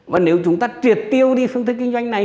và nếu chúng ta triệt tiêu đi phương thức kinh doanh này